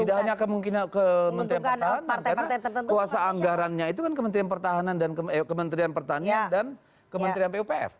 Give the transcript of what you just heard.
tidak hanya kemungkinan kementerian pertahanan karena kuasa anggarannya itu kan kementerian pertahanan dan kementerian pertanian dan kementerian pupf